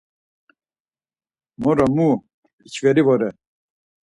Moro mu, p̌içveri vore.